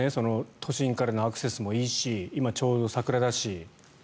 都心からのアクセスもいいし今、ちょうど桜だし。